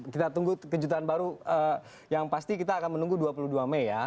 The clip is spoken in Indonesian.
kita tunggu kejutan baru yang pasti kita akan menunggu dua puluh dua mei ya